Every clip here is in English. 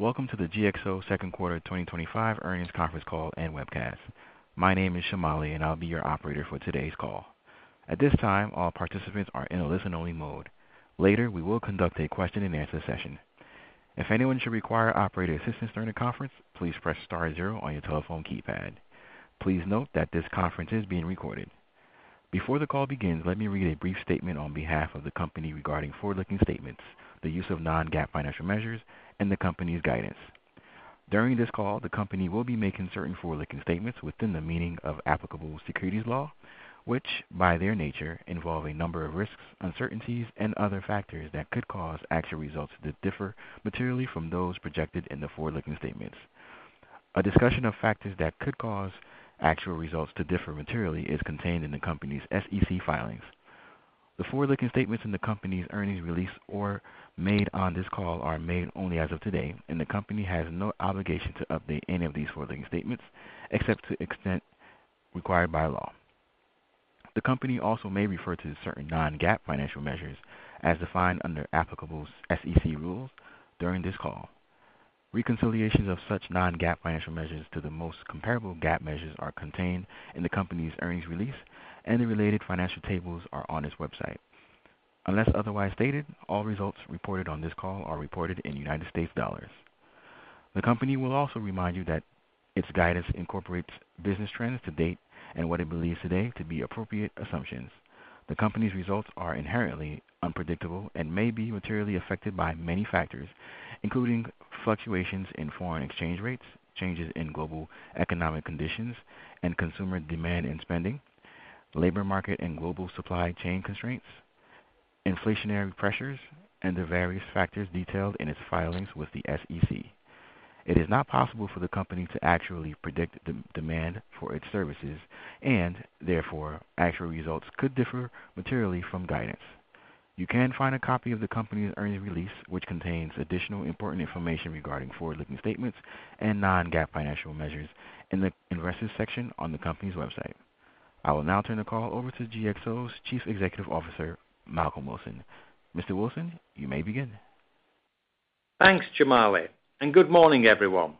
Welcome to the GXO second quarter 2025 earnings conference call and webcast. My name is Jamali and I'll be your operator for today's call. At this time, all participants are in a listen only mode. Later we will conduct a question and answer session. If anyone should require operator assistance during a conference, please press star zero on your telephone keypad. Please note that this conference is being recorded. Before the call begins, let me read a brief statement on behalf of the Company regarding forward looking statements, the use of non-GAAP financial measures, and the Company's guidance. During this call, the Company will be making certain forward looking statements within the meaning of applicable securities law, which by their nature involve a number of risks, uncertainties, and other factors that could cause actual results to differ materially from those projected in the forward looking statements. A discussion of factors that could cause actual results to differ materially is contained in the Company's SEC filings. The forward looking statements in the Company's earnings release or made on this call are made only as of today, and the Company has no obligation to update any of these forward looking statements except to the extent required by law. The Company also may refer to certain non-GAAP financial measures as defined under applicable SEC rules during this call. Reconciliations of such non-GAAP financial measures to the most comparable GAAP measures are contained in the Company's earnings release, and the related financial tables are on its website. Unless otherwise stated, all results reported on this call are reported in United States dollars. The Company will also remind you that its guidance incorporates business trends to date and what it believes today to be appropriate assumptions. The Company's results are inherently unpredictable and may be materially affected by many factors, including fluctuations in foreign exchange rates, changes in global economic conditions and consumer demand and spending, labor market and global supply chain constraints, inflationary pressures, and the various factors detailed in its filings with the SEC. It is not possible for the Company to accurately predict demand for its services, and therefore actual results could differ materially from guidance. You can find a copy of the Company's earnings release, which contains additional important information regarding forward looking statements and non-GAAP financial measures, in the Investors section on the Company's website. I will now turn the call over to GXO's Chief Executive Officer, Malcolm Wilson. Mr. Wilson, you may begin. Thanks, Jamali, and good morning, everyone.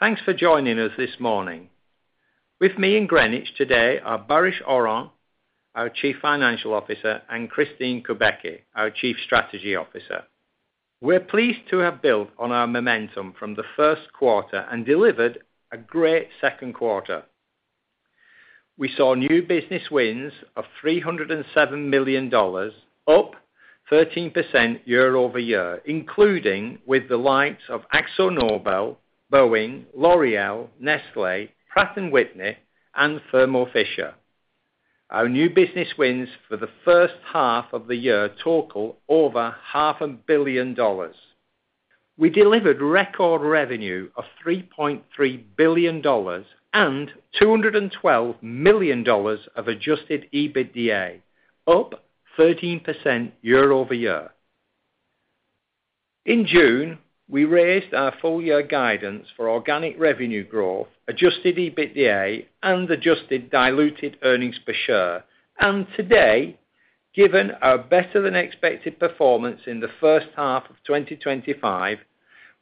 Thanks for joining us this morning. With me in Greenwich today are Baris Oran, our Chief Financial Officer, and Kristine Kubacki, our Chief Strategy Officer. We're pleased to have built on our momentum from the first quarter and delivered a great second quarter. We saw new business wins of $307 million, up 13% year over year, including with the likes of AkzoNobel, Boeing, L'Oréal, Nestlé, Pratt & Whitney, and Thermo Fisher. Our new business wins for the first half of the year total over half a billion dollars. We delivered record revenue of $3.3 billion and $212 million of adjusted EBITDA, up 13% year over year. In June, we raised our full year guidance for organic revenue growth, adjusted EBITDA, and adjusted diluted EPS. Today, given our better than expected performance in the first half of 2025,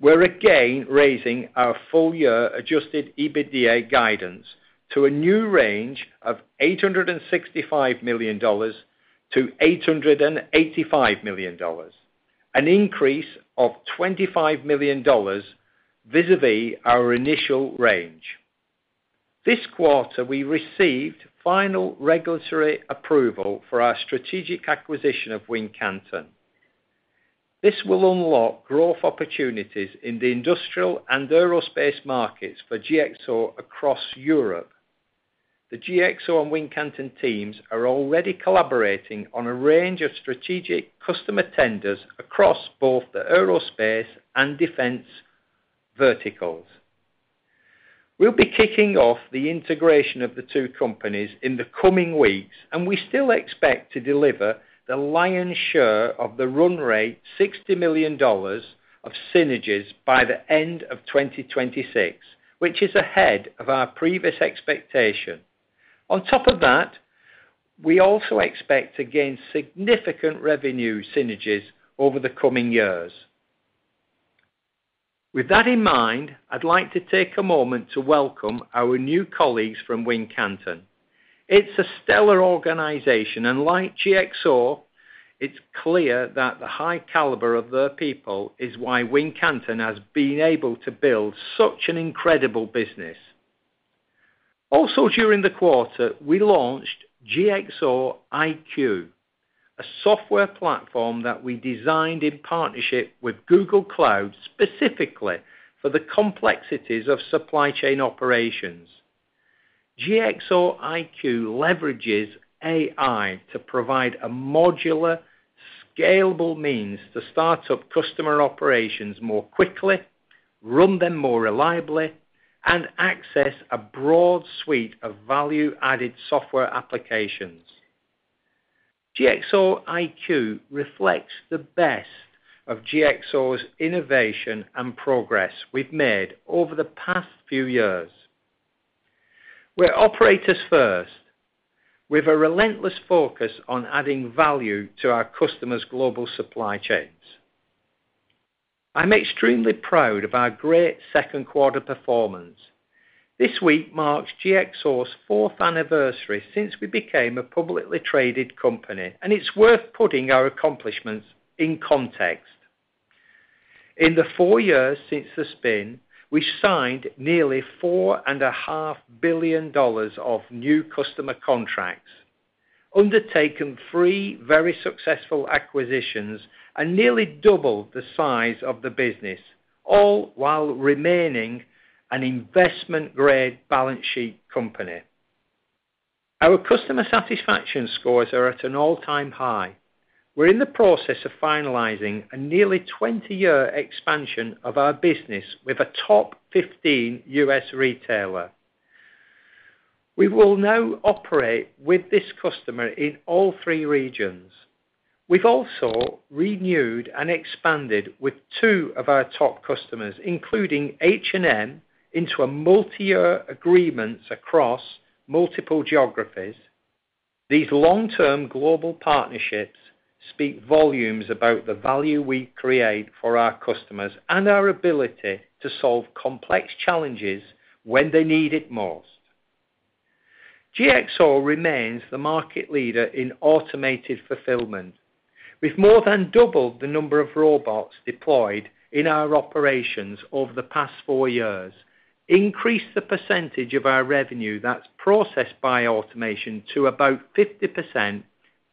we're again raising our full year adjusted EBITDA guidance to a new range of $865 million-$885 million, an increase of $25 million vis-à-vis our initial range. This quarter, we received final regulatory approval for our strategic acquisition of Wincanton. This will unlock growth opportunities in the industrial and aerospace markets for GXO across Europe. The GXO and Wincanton teams are already collaborating on a range of strategic customer tenders across both the aerospace and defense verticals. We'll be kicking off the integration of the two companies in the coming weeks, and we still expect to deliver the lion's share of the run rate $60 million of synergies by the end of 2026, which is ahead of our previous expectation. On top of that, we also expect to gain significant revenue synergies over the coming years. With that in mind, I'd like to take a moment to welcome our new colleagues from Wincanton. It's a stellar organization, and like GXO, it's clear that the high caliber of their people is why Wincanton has been able to build such an incredible business. Also during the quarter, we launched GXO IQ, a software platform that we designed in partnership with Google Cloud specifically for the complexities of supply chain operations. GXO IQ leverages AI to provide a modular, scalable means to start up customer operations more quickly, run them more reliably, and access a broad suite of value-added software applications. GXO IQ reflects the best of GXO's innovation and progress we've made over the past few years. We're operators first, with a relentless focus on adding value to our customers' global supply chains. I'm extremely proud of our great second quarter performance. This week marks GXO's fourth anniversary since we became a publicly traded company, and it's worth putting our accomplishments in context. In the four years since the spin, we signed nearly $4.5 billion of new customer contracts, undertaken three very successful acquisitions, and nearly doubled the size of the business, all while remaining an investment-grade balance sheet company. Our customer satisfaction scores are at an all-time high. We're in the process of finalizing a nearly 20-year expansion of our business with a top 20 retailer. We will now operate with this customer in all three regions. We've also renewed and expanded with two of our top customers, including H&M, into a multi-year agreement across multiple geographies. These long-term global partnerships speak volumes about the value we create for our customers and our ability to solve complex challenges when they need it most. GXO remains the market leader in automated fulfillment. We've more than doubled the number of robots deployed in our operations over the past four years, increased the percentage of our revenue that's processed by automation to about 50%,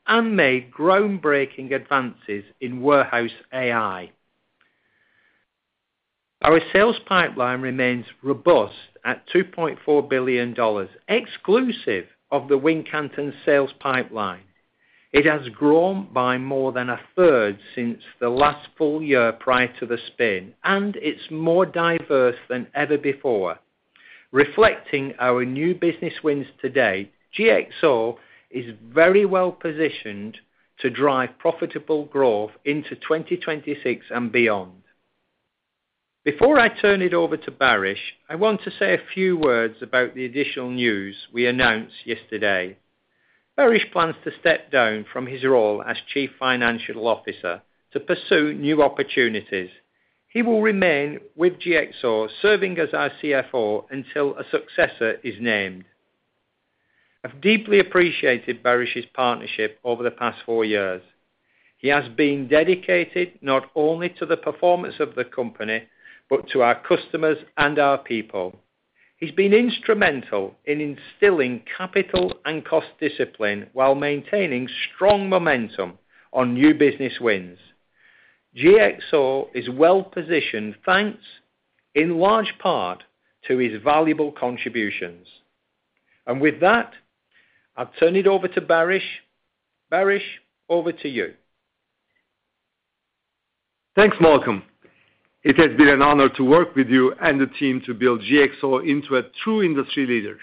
and made groundbreaking advances in warehouse AI. Our sales pipeline remains robust at $2.4 billion. Exclusive of the Wincanton sales pipeline, it has grown by more than a third since the last full year prior to the spin, and it's more diverse than ever before. Reflecting our new business wins today, GXO is very well positioned to drive profitable growth into 2026 and beyond. Before I turn it over to Baris, I want to say a few words about the additional news we announced yesterday. Baris plans to step down from his role as Chief Financial Officer to pursue new opportunities. He will remain with GXO, serving as our CFO until a successor is named. I have deeply appreciated Baris's partnership over the past four years. He has been dedicated not only to the performance of the company, but to our customers and our people. He has been instrumental in instilling capital and cost discipline while maintaining strong momentum on new business wins. GXO is well positioned thanks in large part to his valuable contributions. With that, I'll turn it over to Baris. Baris, over to you. Thanks Malcolm. It has been an honor to work with you and the team to build GXO into a true industry leader.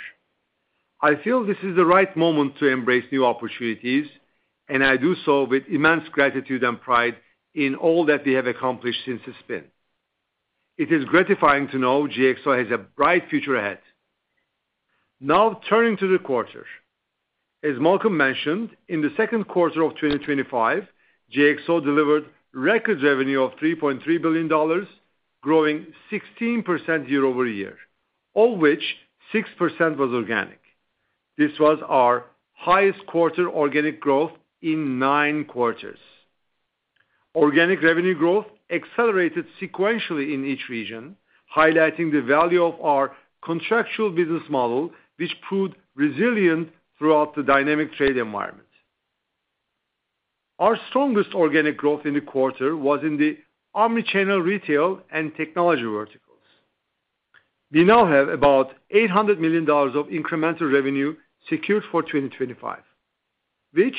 I feel this is the right moment to embrace new opportunities and I do so with immense gratitude and pride in all that we have accomplished since the spin. It is gratifying to know GXO has a bright future ahead. Now turning to the quarter. As Malcolm mentioned, in the second quarter of 2025, GXO delivered record revenue of $3.3 billion, growing 16% year over year, of which 6% was organic. This was our highest quarter organic growth in nine quarters. Organic revenue growth accelerated sequentially in each region, highlighting the value of our contractual business model, which proved resilient throughout the dynamic trade environment. Our strongest organic growth in the quarter was in the omnichannel retail and technology verticals. We now have about $800 million of incremental revenue secured for 2025, which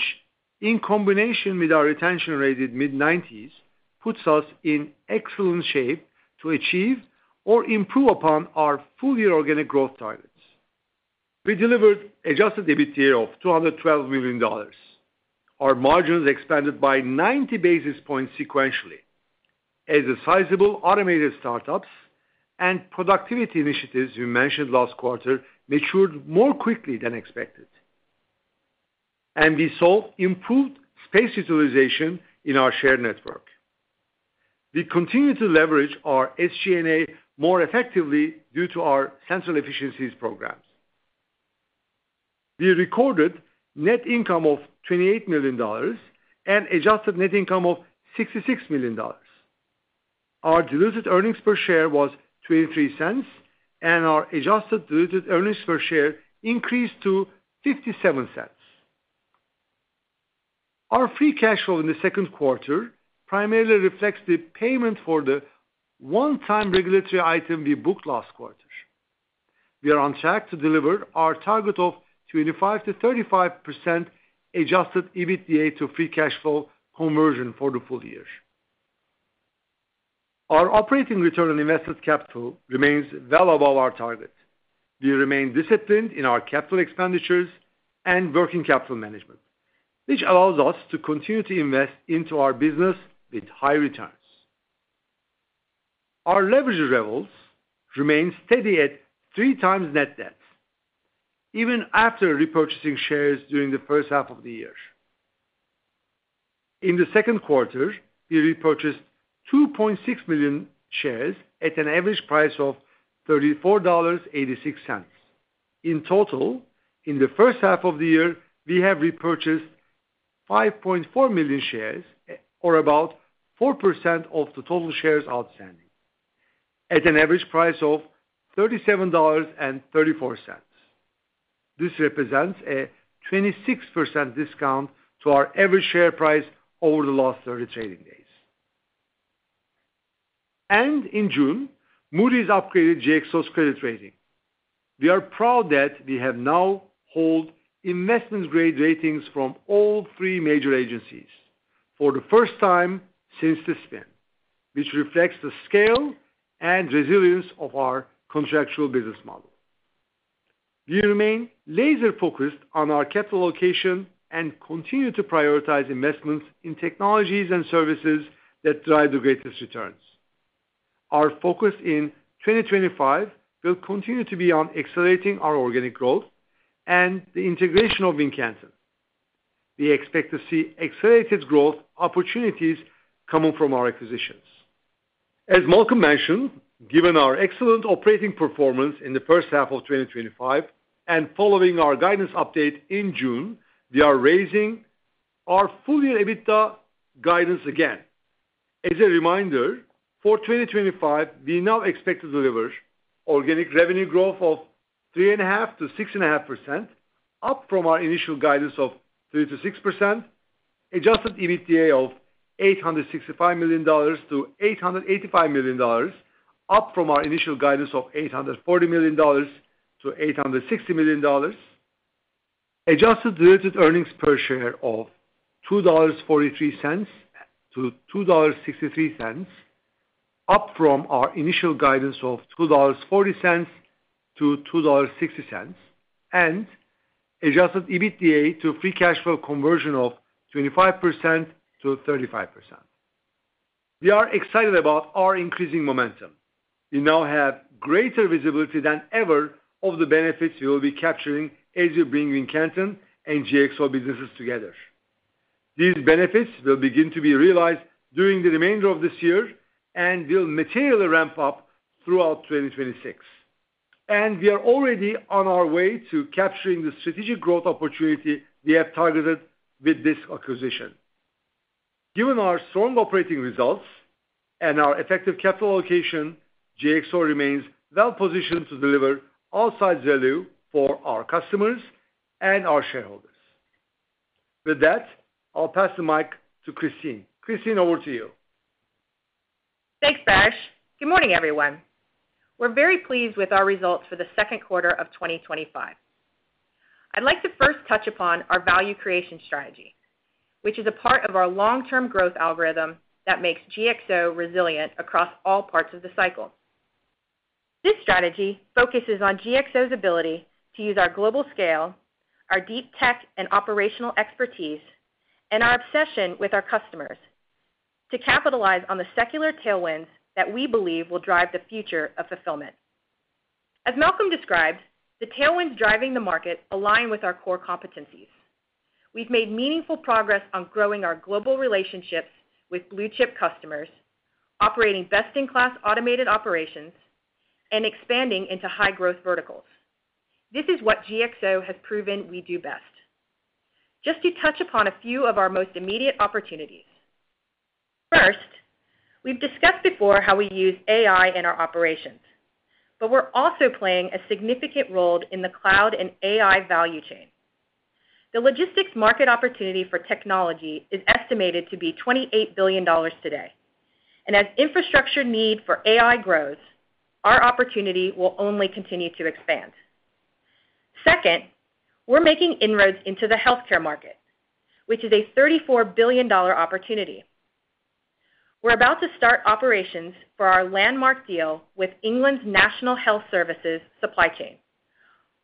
in combination with our retention rate in the mid-90s puts us in excellent shape to achieve or improve upon our full year organic growth targets. We delivered adjusted EBITDA of $212 million. Our margins expanded by 90 basis points sequentially as the sizable automated startups and productivity initiatives we mentioned last quarter matured more quickly than expected, and we saw improved space utilization in our shared network. We continue to leverage our SG&A more effectively due to our central efficiencies programs. We recorded net income of $28 million and adjusted net income of $66 million. Our diluted earnings per share was $0.23 and our adjusted diluted earnings per share increased to $0.57. Our free cash flow in the second quarter primarily reflects the payment for the one-time regulatory item we booked last quarter. We are on track to deliver our target of 25%-35% adjusted EBITDA to free cash flow conversion for the full year. Our operating return on invested capital remains well above our target. We remain disciplined in our capital expenditures and working capital management, which allows us to continue to invest into our business with high returns. Our leverage levels remain steady at 3 times net debt even after repurchasing shares during the first half of the year. In the second quarter, we repurchased 2.6 million shares at an average price of $34.86. In total, in the first half of the year, we have repurchased 5.4 million shares, or about 4% of the total shares outstanding, at an average price of $37.34. This represents a 26% discount to our average share price over the last 30. Trading days. In June, Moody's upgraded GXO's credit rating. We are proud that we now hold investment-grade ratings from all three major agencies for the first time since the spin, which reflects the scale and resilience of our contractual business model. We remain laser focused on our capital allocation and continue to prioritize investments in technologies and services that drive the greatest returns. Our focus in 2025 will continue to be on accelerating our organic growth and the integration of Wincanton. We expect to see accelerated growth opportunities coming from our acquisitions. As Malcolm mentioned, given our excellent operating performance in the first half of 2025 and following our guidance update in June, we are raising our full-year EBITDA guidance again. As a reminder, for 2025, we now expect to deliver organic revenue growth of 3.5%-6.5%, up from our initial guidance of 3%-6%, adjusted EBITDA of $865 million-$885 million, up from our initial guidance of $840 million-$860 million, adjusted diluted earnings per share of $2.43-$2.63, up from our initial guidance of $2.40-$2.60, and adjusted EBITDA to free cash flow conversion of 25%-35%. We are excited about our increasing momentum. You now have greater visibility than ever of the benefits you will be capturing as you bring Wincanton and GXO businesses together. These benefits will begin to be realized during the remainder of this year and will materially ramp up throughout 2026. We are already on our way to capturing the strategic growth opportunity we have targeted with this acquisition. Given our strong operating results and our effective capital allocation, GXO remains well positioned to deliver outsized value for our customers and our shareholders. With that, I'll pass the mic to Kristine. Kristine, over to you. Thanks, Baris. Good morning, everyone. We're very pleased with our results for the second quarter of 2025. I'd like to first touch upon our value creation strategy, which is a part of our long-term growth algorithm that makes GXO Logistics resilient across all parts of the cycle. This strategy focuses on GXO's ability to use our global scale, our deep tech and operational expertise, and our obsession with our customers to capitalize on the secular tailwinds that we believe will drive the future of fulfillment. As Malcolm described, the tailwinds driving the market align with our core competencies. We've made meaningful progress on growing our global relationships with blue-chip customers, operating best-in-class automated operations, and expanding into high-growth verticals. This is what GXO Logistics has proven we do best. Just to touch upon a few of our most immediate opportunities. First, we've discussed before how we use AI in our operations, but we're also playing a significant role in the cloud and AI value chain. The logistics market opportunity for technology is estimated to be $28 billion today, and as infrastructure need for AI grows, our opportunity will only continue to expand. Second, we're making inroads into the healthcare market, which is a $34 billion opportunity. We're about to start operations for our landmark deal with England's National Health Service Supply Chain,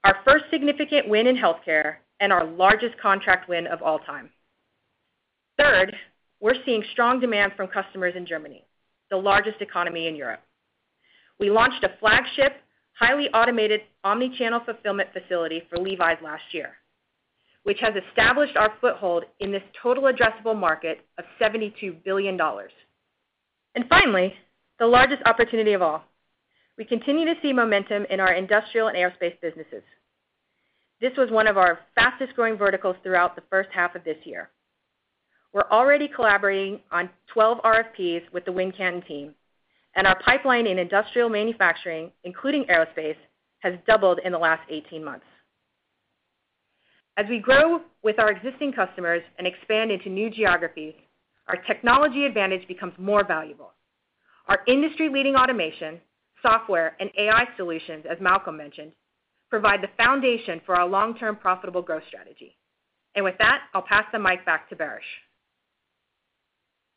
our first significant win in healthcare and our largest contract win of all time. Third, we're seeing strong demand from customers in Germany, the largest economy in Europe. We launched a flagship, highly automated omnichannel fulfillment facility for Levi's last year, which has established our foothold in this total addressable market of $72 billion. Finally, the largest opportunity of all. We continue to see momentum in our industrial and aerospace businesses. This was one of our fastest-growing verticals throughout the first half of this year. We're already collaborating on 12 RFPs with the Wincanton team, and our pipeline in industrial manufacturing, including aerospace, has doubled in the last 18 months. As we grow with our existing customers and expand into new geography, our technology advantage becomes more valuable. Our industry-leading automation, software, and AI solutions, as Malcolm mentioned, provide the foundation for our long-term profitable growth strategy. With that, I'll pass the mic back to Baris.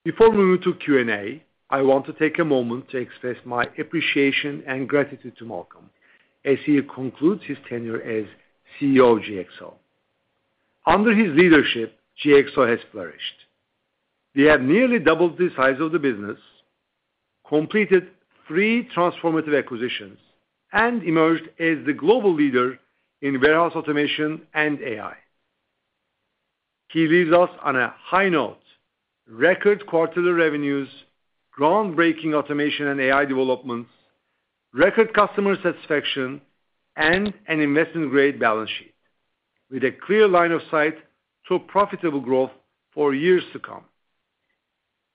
Before moving to Q&A, I. Want to take a moment to express. My appreciation and gratitude to Malcolm as he concludes his tenure as CEO of GXO. Under his leadership, GXO has flourished. We have nearly doubled the size of the business, completed three transformative acquisitions and emerged as the global leader in warehouse automation and AI. He leads us on a high note: record quarterly revenues, groundbreaking automation and AI development, record customer satisfaction and an investment-grade balance sheet with a clear line of sight to profitable growth for years to come.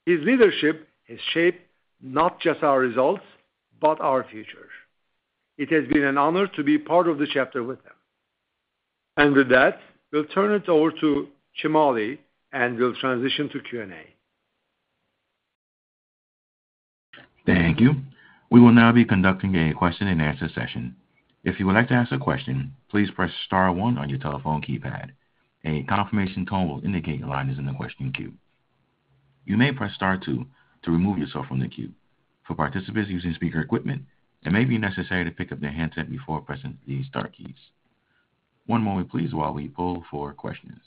His leadership has shaped not just our results, but our future. It has been an honor to be part of the chapter with them and with that we'll turn it over to Chemali and we'll transition to Q&A. Thank you. We will now be conducting a question and answer session. If you would like to ask a question, please press star one on your telephone keypad. A confirmation tone will indicate your line is in the question queue. You may press star two to remove yourself from the queue. For participants using speaker equipment, it may be necessary to pick up their handset before pressing these star keys. One moment please while we poll for questions.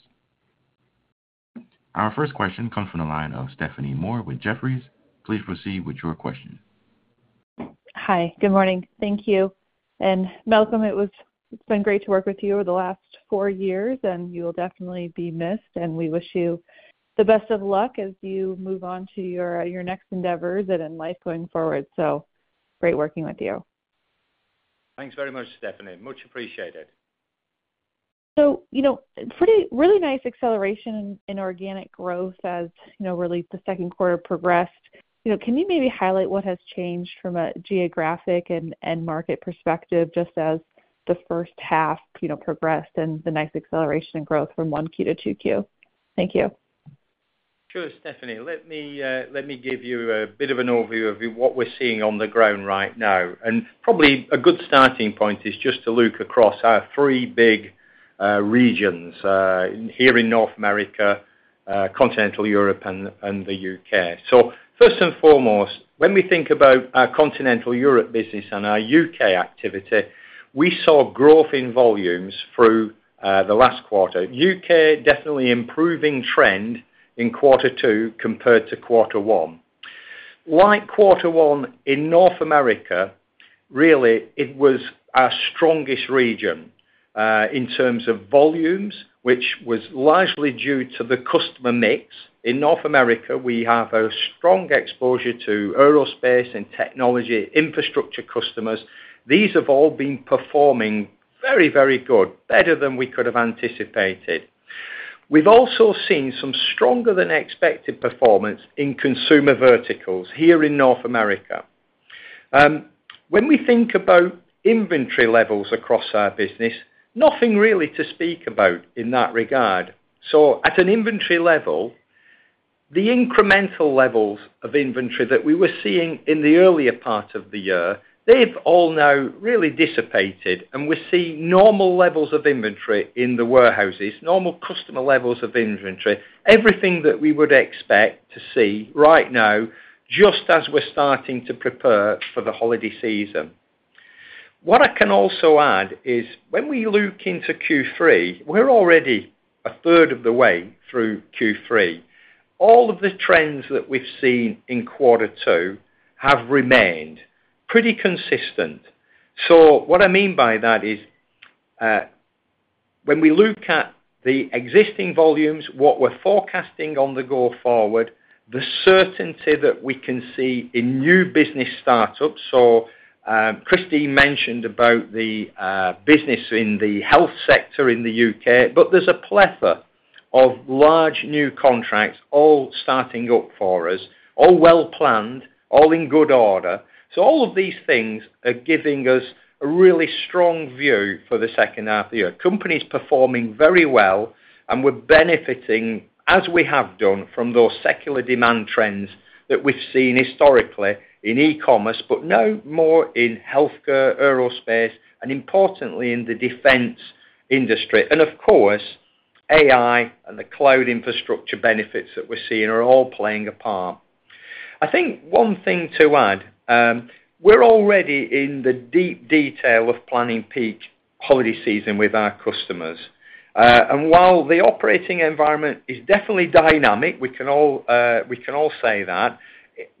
Our first question comes from the line of Stephanie Moore with Jefferies. Please proceed with your question. Hi, good morning. Thank you. Malcolm, it was great to work with you over the last four years. You will definitely be missed, and we wish you the best of luck as you move on to your next endeavors in life going forward. Great working with you. Thanks very much, Stephanie. Much appreciated. You know, pretty really nice acceleration in organic growth as you know, really the second quarter progressed. Can you maybe highlight what has changed from a geographic and market perspective just as the first half progressed and the nice acceleration in growth from 1Q to 2Q? Thank you. Sure. Stephanie, let me give you a bit of an overview of what we're seeing on the ground right now. A good starting point is just to look across our three big regions here in North America, continental Europe, and the U.K. First and foremost, when we think about our continental Europe business and our U.K. activity, we saw growth in volumes throughout the last quarter. U.K. definitely improving trend in quarter two compared to quarter one. Like quarter one in North America, really it was our strongest region in terms of volumes, which was largely due to the customer mix. In North America, we have a strong exposure to aerospace and technology infrastructure customers. These have all been performing very, very good, better than we could have anticipated. We've also seen some stronger than expected performance in consumer verticals here in North America. When we think about inventory levels across our business, nothing really to speak about in that regard. At an inventory level, the incremental levels of inventory that we were seeing in the earlier part of the year, they've all now really dissipated. We see normal levels of inventory in the warehouses, normal customer levels of inventory, everything that we would expect to see right now, just as we're starting to prepare for the holiday season. What I can also add is when we look into Q3, we're already a third of the way through Q3. All of the trends that we've seen in quarter two have remained pretty consistent. What I mean by that is when we look at the existing volumes, what we're forecasting on the go forward, the certainty that we can see in new business startups. Kristine mentioned about the business in the health sector in the UK, but there's a plethora of large new contracts all starting up for us, all well planned, all in good order. All of these things are giving us a really strong view for the second half of the year. Company's performing very well and we're benefiting as we have done from those secular demand trends that we've seen historically in e-commerce, but now more in healthcare, aerospace, and importantly in the defense industry. Of course, AI and the cloud infrastructure benefits that we're seeing are all playing a part of. I think one thing to add, we're already in the deep detail of planning peak holiday season with our customers. While the operating environment is definitely dynamic, we can all say that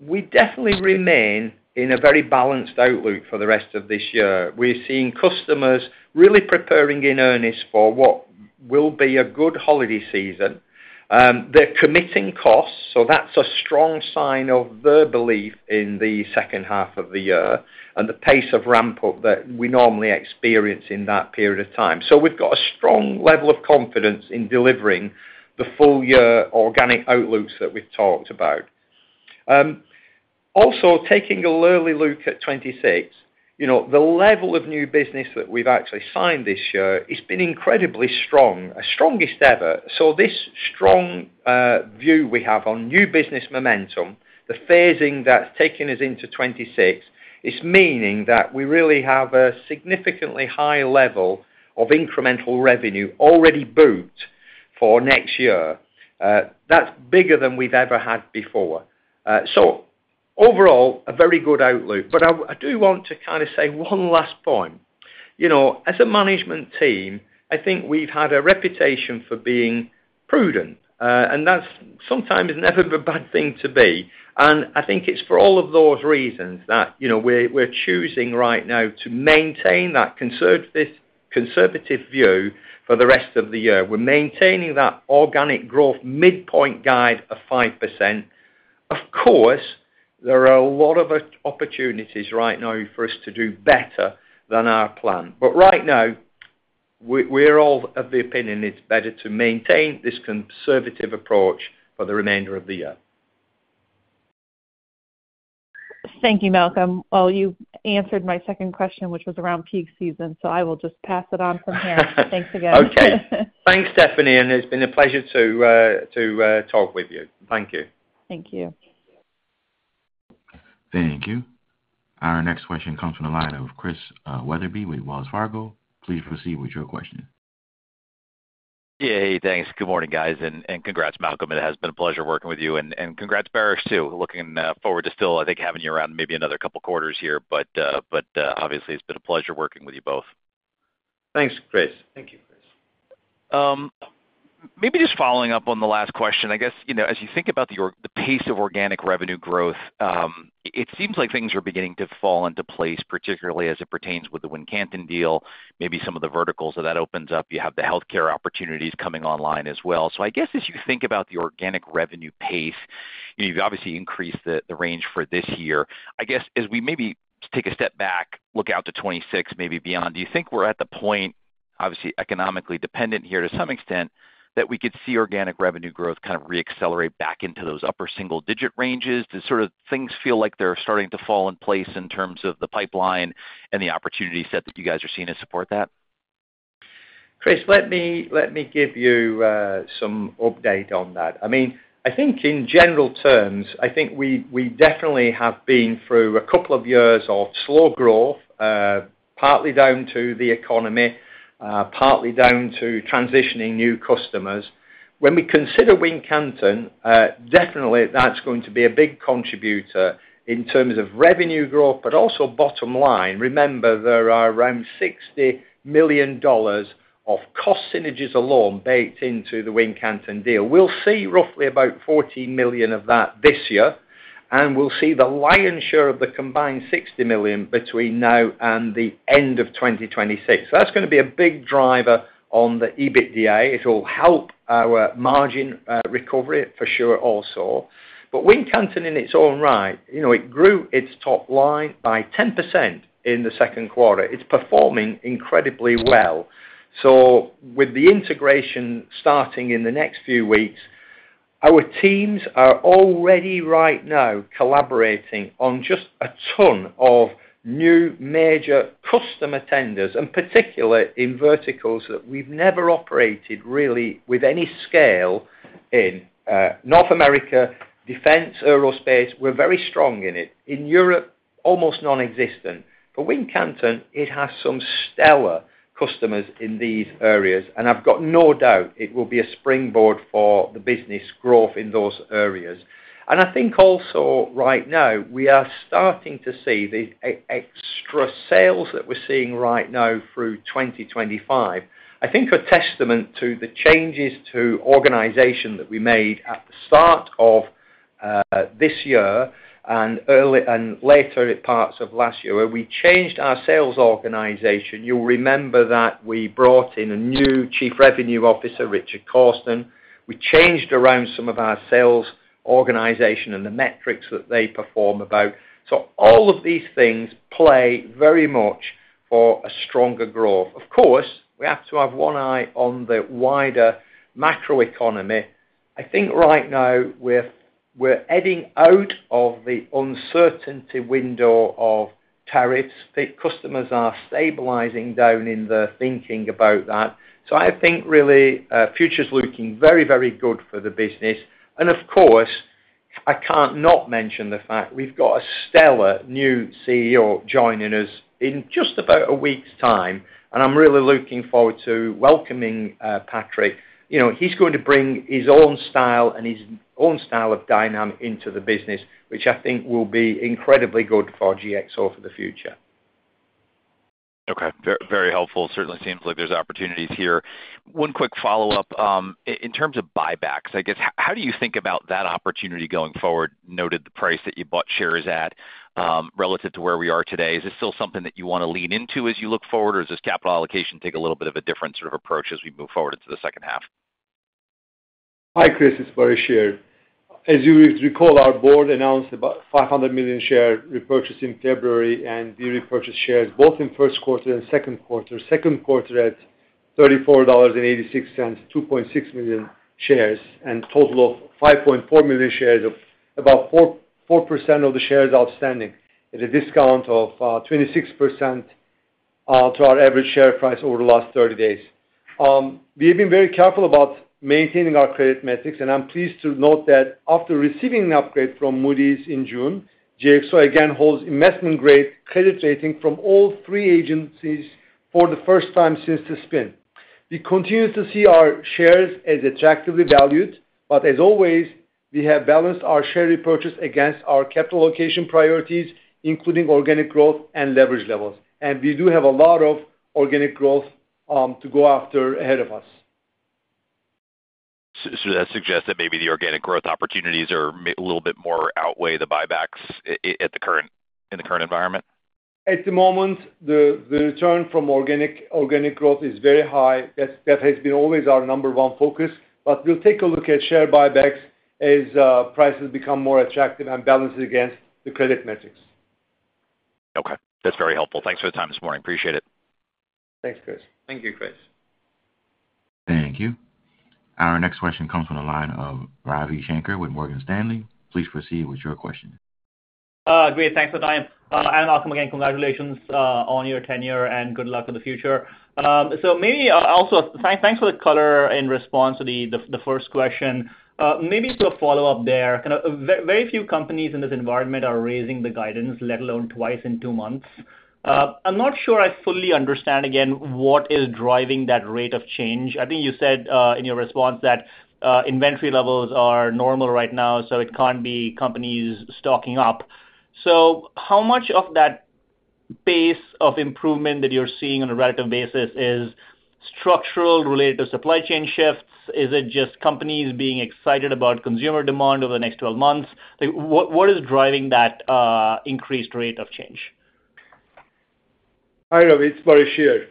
we definitely remain in a very balanced outlook for the rest of this year. We're seeing customers really preparing in earnest for what will be a good holiday season. They're committing costs, which is a strong sign of their belief in the second half of the year and the pace of ramp up that we normally experience in that period of time. We've got a strong level of confidence in delivering the full year organic outlooks that we've talked about. Also, taking a look at 2026, the level of new business that we've actually signed this year has been incredibly strong, strongest ever. This strong view we have on new business momentum, the phasing that's taken us into 2026, is meaning that we really have a significantly higher level of incremental revenue already booked for next year. That's bigger than we've ever had before. Overall, a very good outlook. I do want to say one last point. As a management team, I think we've had a reputation for being prudent, and that's sometimes never a bad thing to be. I think it's for all of those reasons that we're choosing right now to maintain that conservative view for the rest of the year. We're maintaining that organic growth midpoint guide of 5%. Of course, there are a lot of opportunities right now for us to do better than our plan, but right now we're all of the opinion it's better to maintain this conservative approach for the remainder of the year. Thank you, Malcolm. You answered my second question, which was around peak season, so I will just pass it on from here. Thanks again. Okay, thanks, Stephanie. It's been a pleasure to talk with you. Thank you. Thank you. Thank you. Our next question comes from the line of Chris Wetherbee with Wells Fargo. Please proceed with your question. Yay. Thanks. Good morning, guys, and congrats. Malcolm, it has been a pleasure working with you, and congrats, Baris, too. Looking forward to still, I think, having you around maybe another couple quarters here, but obviously it's been a pleasure working with you both. Thanks, Chris. Thank you. Maybe just following up on the last question. I guess as you think about the pace of organic revenue growth, it seems like things are beginning to fall into place, particularly as it pertains to the Wincanton deal. Maybe some of the verticals that opens up, you have the health care opportunities coming online as well. I guess as you think about the organic revenue pace, you've obviously increased the range for this year. I guess as we maybe take a. Step back, look out to 2026, maybe beyond. Do you think we're at the point, obviously economically dependent here to some extent, that we could see organic revenue growth re-accelerate back into those upper single-digit ranges? Do things feel like they're starting to fall in place in terms of the pipeline and the opportunity set that you guys are seeing to support that? Chris, let me give you some update on that. I mean I think in general terms I think we definitely have been through a couple of years of slow growth, partly down to the economy, partly down to transitioning new customers. When we consider Wincanton, definitely that's going to be a big contributor in terms of revenue growth. Also, bottom line, remember there are around $60 million of cost synergies alone baked into the Wincanton deal. We'll see roughly about $14 million of that this year and we'll see the lion's share of the combined $60 million between now and the end of 2026. That's going to be a big driver on the EBITDA. It will help our margin recovery for sure also. Wincanton in its own right, it grew its top line by 10% in the second quarter. It's performing incredibly well. With the integration starting in the next few weeks, our teams are already right now collaborating on just a ton of new major customer tenders and particularly in verticals that we've never operated really with any scale in North America. Defense, aerospace, we're very strong in it. In Europe, almost non-existent. Wincanton, it has some stellar customers in these areas and I've got no doubt it will be a springboard for the business growth in those areas. I think also right now we are starting to see the extra sales that we're seeing right now through 2025. I think a testament to the changes to organization that we made at the start of this year and later parts of last year where we changed our sales organization, you'll remember that we brought in a new Chief Revenue Officer, Richard Cawston. We changed around some of our sales organization and the metrics that they perform about. All of these things play very much for a stronger growth. Of course, we have to have one eye on the wider macro economy. I think right now we're heading out of the uncertainty window of tariffs. Customers are stabilizing down in the thinking about that. I think really future's looking very, very good for the business. Of course, I can't not mention the fact we've got a stellar new CEO joining us in just about a week's time. I'm really looking forward to welcoming Patrick. He's going to bring his own style and his own style of dynamic into the business, which I think will be incredibly good for GXO for the future. Okay, very helpful. Certainly seems like there's opportunities here. One quick follow-up. In terms of buybacks, how do you think about that opportunity going forward? Noted. The price that you bought shares at relative to where we are today. Is this still something that you want to lean into as you look forward, or does capital allocation take a little bit of a different approach as you look ahead? We move forward into the second half. Hi Chris, it's Baris here. As you recall, our board announced about $500 million share repurchase in February and we repurchased shares both in first quarter and second quarter. Second quarter at $34.86, 2.6 million shares and total of 5.4 million shares of about 4.4% of the shares outstanding at a discount of 26% to our average share price. Over the last 30 days we've been very careful about maintaining our credit metrics, and I'm pleased to note that after receiving an upgrade from Moody's in June, GXO again holds investment-grade credit rating from all three agencies for the first time since the spin. We continue to see our shares as attractively valued. As always, we have balanced our share repurchase against our capital allocation priorities, including organic growth and leverage levels. We do have a lot of organic growth to go after ahead of us. That suggests that maybe the organic growth opportunities are a little bit more outweigh the buybacks in the current environment? At the moment, the return from organic growth is very high. That has been always our number one focus. We will take a look at share repurchases as prices become more attractive and balance against the credit metrics. Okay, that's very helpful. Thanks for the time this morning. Appreciate it. Thank you, Chris. Thank you. Our next question comes from the line of Ravi Shankar with Morgan Stanley. Please proceed with your question. Great. Thanks for the time and Malcom. Again, congratulations on your tenure and good luck in the future. Thanks for the color in response to the first question. Maybe for a follow up there, very few companies in this environment are raising the guidance, let alone twice in two months. I'm not sure I fully understand again what is driving that rate of change. I think you said in your response that inventory levels are normal right now, so it can't be companies stocking up. How much of that pace of improvement that you're seeing on a relative basis is structural related to supply chain shifts? Is it just companies being excited about consumer demand over the next 12 months? What is driving that increased rate of change? Hi Ravi, it's Baris here.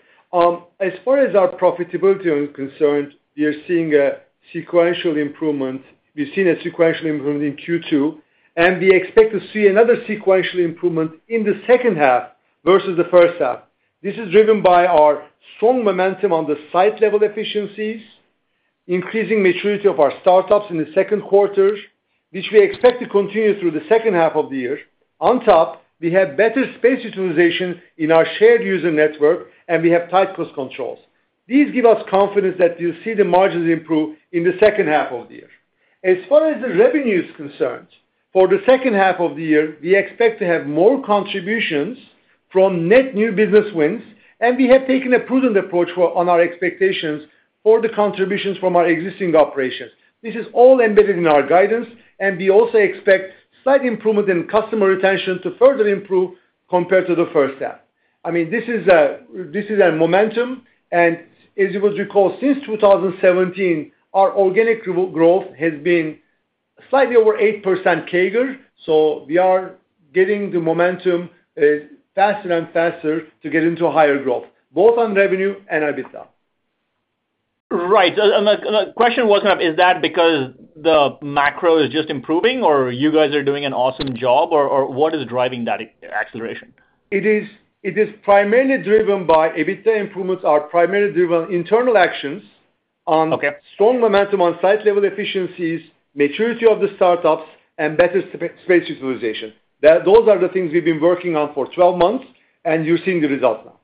As far as our profitability is concerned, we are seeing a sequential improvement. We've seen a sequential improvement in Q2, and we expect to see another sequential improvement in the second half versus the first half. This is driven by our strong momentum on the site-level efficiencies, increasing maturity of our startups in the second quarter, which we expect to continue through the second half of the year. On top, we have better space utilization in our shared user network, and we have tight cost controls. These give us confidence that you'll see the margins improve in the second half of the year. As far as the revenue is concerned, for the second half of the year we expect to have more contributions from net new business wins, and we have taken a prudent approach on our expectations for the contributions from our existing operations. This is all embedded in our guidance, and we also expect slight improvement in customer retention to further improve compared to the first half. I mean, this is a momentum, and as you would recall, since 2017 our organic growth has been slightly over 8% CAGR. We are getting the momentum faster and faster to get into higher growth both on revenue and EBITDA. Right. The question was, is that because the macro is just improving, or you guys are doing an awesome job, or what is driving that acceleration? It is primarily driven by EBITDA. Improvements are primarily driven by internal actions on strong momentum on site-level efficiencies, maturity of the startups, and better space utilization. Those are the things we've been working on for 12 months, and you're seeing the results now.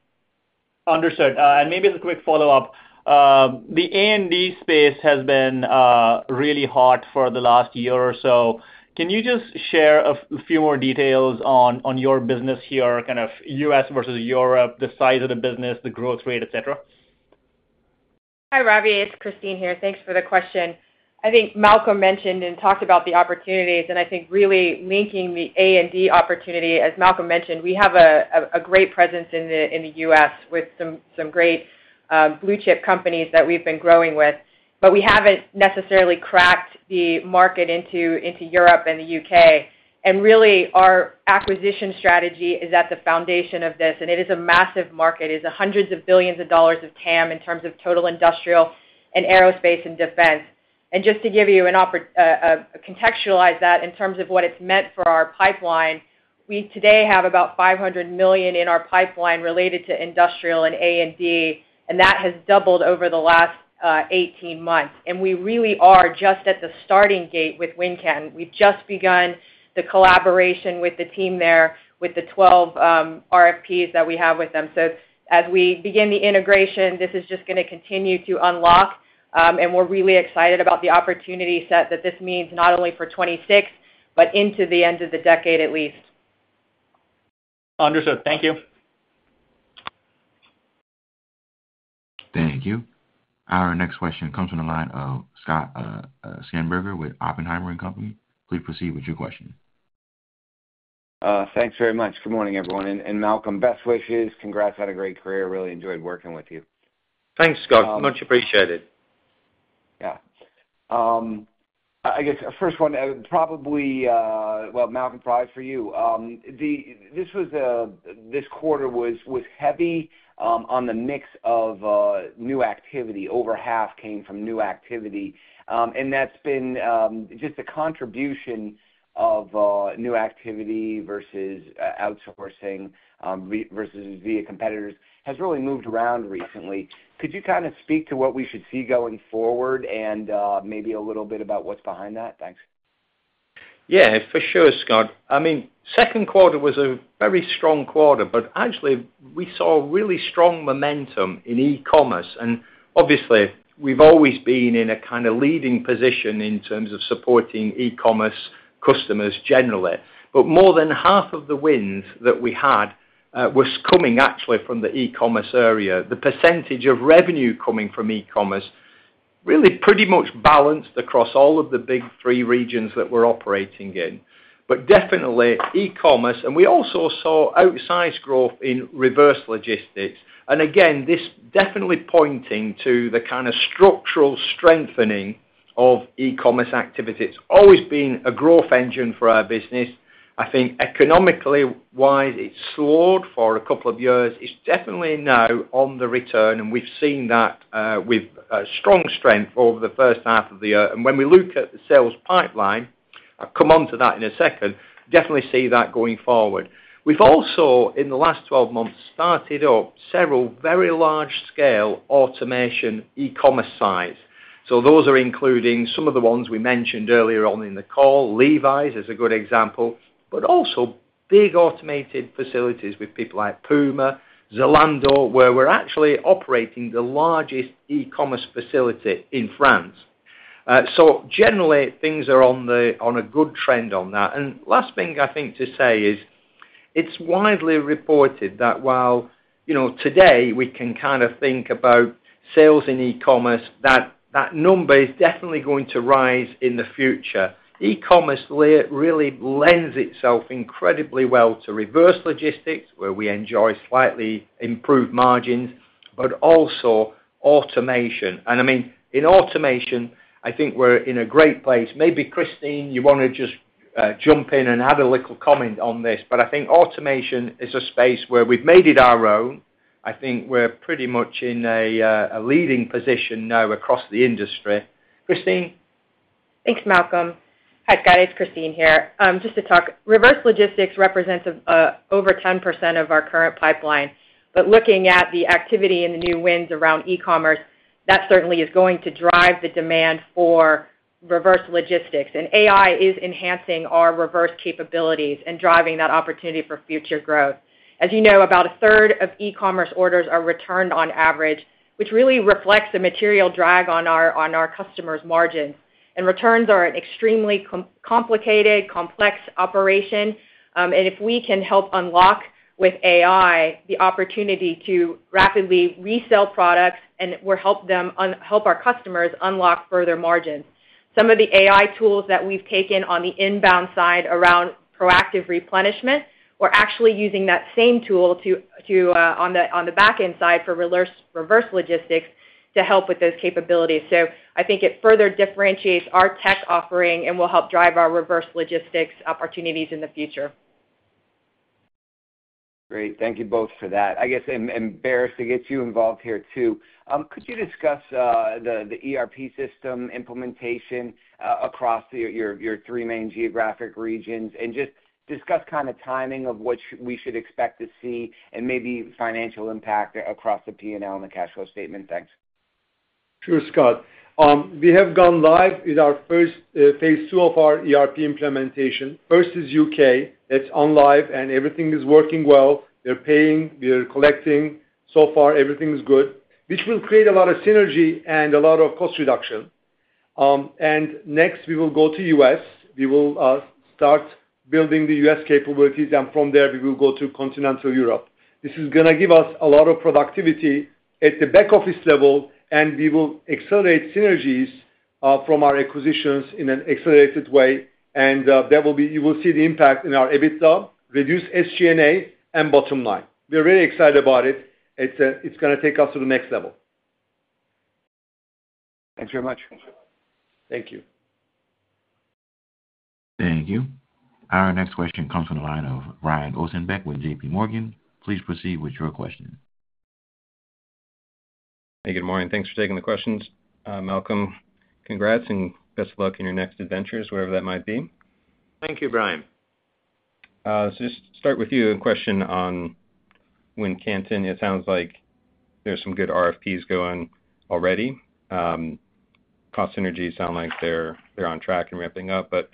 Understood. Maybe as a quick follow up, the AMD space has been really hot for the last year or so. Can you just share a few more details on your business here? Kind of U.S. versus Europe, the size of the business, the growth rate, etc. Hi Ravi, it's Kristine here. Thanks for the question. I think Malcolm mentioned and talked about the opportunities, and I think really linking the A and D opportunity. As Malcolm mentioned, we have a great presence in the U.S. with some great blue chip companies that we've been growing with, but we haven't necessarily cracked the market into Europe and the U.K., and really our acquisition strategy is at the foundation of this. It is a massive market, it's hundreds of billions of dollars of TAM in terms of total industrial, aerospace, and defense. Just to contextualize that in terms of what it's meant for our pipeline, we today have about $500 million in our pipeline related to industrial and A and D, and that has doubled over the last 18 months. We really are just at the starting gate with Wincanton. We just begun the collaboration with the team there with the 12 RFPs that we have with them. As we begin the integration, this is just going to continue to unlock, and we're really excited about the opportunity set that this means not only for 2026 but into the end of the decade at least. Understood, thank you. Thank you. Our next question comes from the line of Scott Schneeberger with Oppenheimer & Co. Please proceed with your question. Thanks very much. Good morning everyone, and Malcolm, best wishes. Congrats on a great career. Really enjoyed working with you. Thanks, Scott. Much appreciated. I guess first one probably. Malcolm, prize for you. This quarter was heavy on the mix of new activity. Over half came from new activity, and that's been just the contribution of new activity versus outsourcing versus via competitors has really moved around recently. Could you kind of speak to what we should see going forward and maybe a little bit about what's behind that? Thanks. Yeah, for sure, Scott. I mean, second quarter was a very strong quarter, but actually we saw really strong momentum in e-commerce, and obviously we've always been in a kind of leading position in terms of supporting e-commerce customers generally. More than half of the wins that we had was coming actually from the e-commerce area. The percentage of revenue coming from e-commerce really pretty much balanced across all of the big three regions that we're operating in, but definitely e-commerce. We also saw outsized growth in reverse logistics. Again, this definitely pointing to the kind of structural strengthening of e-commerce activity. It's always been a growth engine for our business. I think economically wise it's slowed for a couple of years. It's definitely now on the return, and we've seen that with strong strength over the first half of the year. When we look at the sales pipeline, I'll come on to that in a second. Definitely see that going forward. We've also in the last 12 months started up several very large-scale automation e-commerce sites. Those are including some of the ones we mentioned earlier on in the call. Levi's is a good example, but also big automated facilities with people like Puma, Zalando, where we're actually operating the largest e-commerce facility in France. Generally, things are on a good trend on that. Last thing I think to say is it's widely reported that while today we can kind of think about sales in e-commerce, that number is definitely going to rise in the future. E-commerce really lends itself incredibly well to reverse logistics, where we enjoy slightly improved margins, but also automation, and I mean in automation I think we're in a great place. Maybe Kristine, you want to just jump in and add a little comment on this, but I think automation is a space where we've made it our own. I think we're pretty much in a leading position now across the industry. Kristine. Thanks, Malcolm. Hi, Scott, it's Kristine here just to talk. Reverse logistics represents over 10% of our current pipeline. Looking at the activity and the new wins around e-commerce, that certainly is going to drive the demand for reverse logistics, and AI is enhancing our reverse capabilities and driving that opportunity for future growth. As you know, about a third of e-commerce orders are returned on average, which really reflects a material drag on our customers' margins, and returns are an extremely complicated, complex operation. If we can help unlock with AI the opportunity to rapidly resell products, it will help our customers unlock further margins. Some of the AI tools that we've taken on the inbound side around proactive replenishment, we're actually using that same tool on the back end side for reverse logistics to help with those capabilities. I think it further differentiates our tech offering and will help drive our reverse logistics opportunities in the future. Great. Thank you both for that. I guess I'm embarrassed to get you involved here too. Could you discuss the ERP system implementation across your three main geographic regions and just discuss kind of timing of what we should expect to see and maybe financial impact across the P&L and the cash flow statement. Thanks. Sure, Scott. We have gone live in our first phase two of our ERP implementation versus U.K. That's on live and everything is working well. They're paying, we're collecting. So far everything is good, which will create a lot of synergy and a lot of cost reduction. Next, we will go to the U.S. We will start building the U.S. capabilities and from there we will go to continental Europe. This is going to give us a lot of productivity at the back office level and we will accelerate synergies from our acquisitions in an accelerated way. You will see the impact in our EBITDA, reduced SG&A, and bottom line. We're really excited about it. It's going to take us to the next level. Thanks very much. Thank you. Thank you. Our next question comes from the line of Brian Ossenbeck with JPMorgan. Please proceed with your question. Hey, good morning. Thanks for taking the questions, Malcolm. Congrats and best of luck in your next adventures, wherever that might be. Thank you, Brian. Just to start with a question on Wincanton. It sounds like there's some good RFPs going already. Cost synergies sound like they're on track and ramping up, but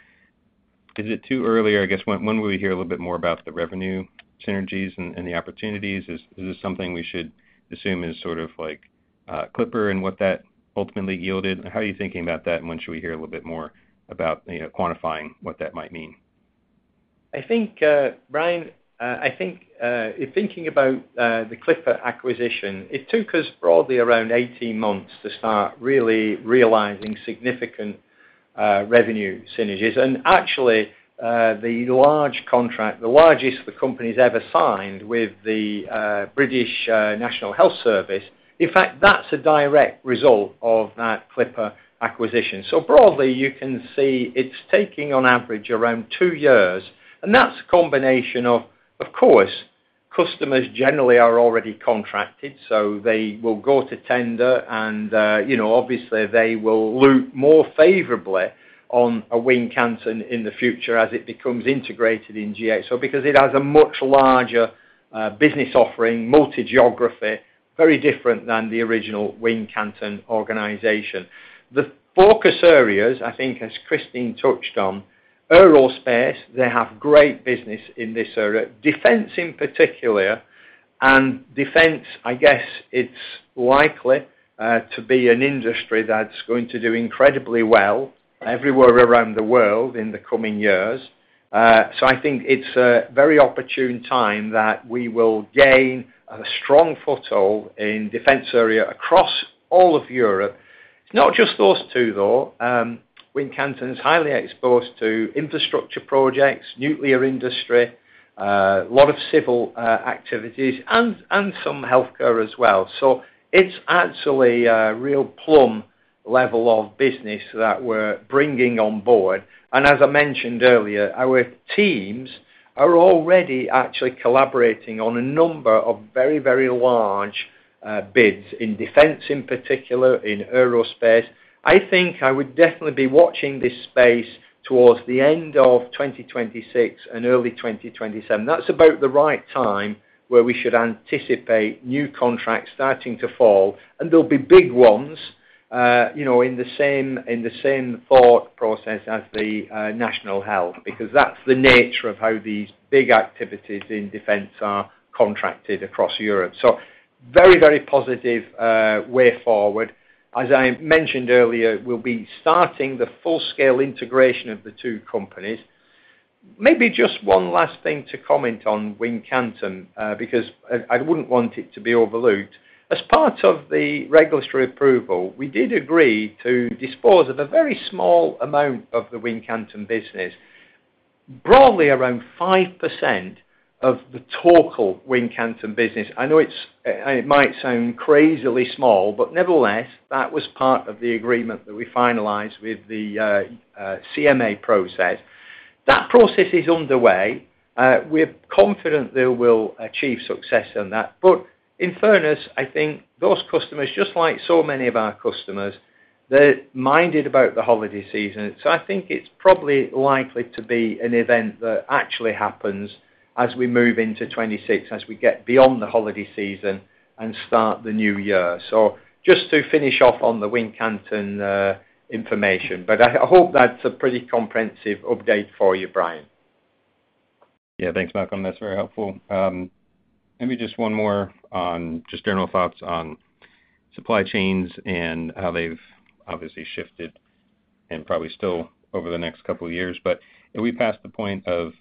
is it too early or I guess when will we hear a little bit more about the revenue synergies and the opportunities? Is this something we should assume is sort of like Clipper and what that ultimately yielded? How are you thinking about that and when should we hear a little bit more about quantifying what that might mean? I think, Brian, thinking about the Clipper Logistics acquisition, it took us broadly around 18 months to start really realizing significant revenue synergies and actually the large contract, the largest the company's ever signed with the National Health Service Supply Chain, in fact that's a direct result of that Clipper Logistics acquisition. Broadly you can see it's taking on average around two years and that's a combination of, of course, customers generally are already contracted so they will go to tender and, you know, obviously they will look more favorably on a Wincanton in the future as it becomes integrated in GXO because it has a much larger business offering, multi-geography, very different than the original Wincanton organization. The focus areas, I think as Kristine touched on, aerospace, they have great business in this area, defense in particular. Defense, I guess, is likely to be an industry that's going to do incredibly well everywhere around the world in the coming years. I think it's a very opportune time that we will gain a strong foothold in the defense area across all of Europe. Not just those two though. Wincanton is highly exposed to infrastructure projects, nuclear industry, a lot of civil activities, and some healthcare as well. It's actually a real plum level of business that we're bringing on board. As I mentioned earlier, our teams are already actually collaborating on a number of very, very large bids in defense, in particular in aerospace. I think I would definitely be watching this space towards the end of 2026 and early 2027. That's about the right time where we should anticipate new contracts starting to fall and there'll be big ones, you know, in the same thought process as the National Health Service Supply Chain, because that's the nature of how these big activities in defense are contracted across Europe. Very, very positive way forward. As I mentioned earlier, we'll be starting the full-scale integration of the two companies. Maybe just one last thing to comment on Wincanton because I wouldn't want it to be overlooked. As part of the regulatory approval, we did agree to dispose of a very small amount of the Wincanton business, broadly around 5% of the total Wincanton business. I know it might sound crazily small, but nevertheless that was part of the agreement that we finalized with the CMA process. That process is underway. We're confident they will achieve success on that. In fairness, I think those customers, just like so many of our customers, they're minded about the holiday season. I think it's probably likely to be an event that actually happens as we move into 2026 as we get beyond the holiday season and start the new year. Just to finish off on the Wincanton information, but I hope that's a pretty comprehensive update for you, Brian. Yeah, thanks Malcolm. That's very helpful. Maybe just one more on general thoughts on supply chains and how they've obviously shifted and probably still over the next couple years, but have we passed the point of